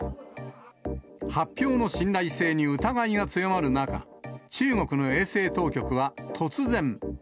発表の信頼性に疑いが強まる中、中国の衛生当局は突然。